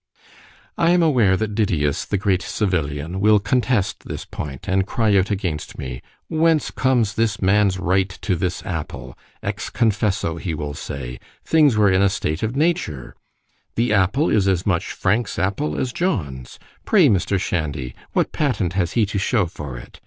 I am aware that Didius, the great civilian, will contest this point; and cry out against me, Whence comes this man's right to this apple? ex confesso, he will say—things were in a state of nature—The apple, is as much Frank's apple as John's. Pray, Mr. Shandy, what patent has he to shew for it?